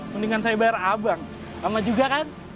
mendingan saya bayar abang sama juga kan